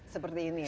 seperti ini ya